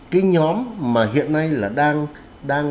cái nhóm mà hiện nay là đang